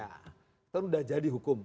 itu sudah jadi hukum